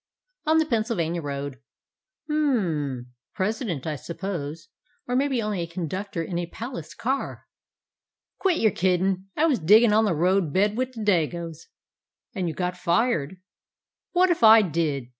"On the Pennsylvania Road." "Hm! President, I suppose, or maybe only a conductor in a palace car." "Quit yer kiddin'. I was diggin' on the road bed wit' the Dagos." "And you got fired?" "What if I did?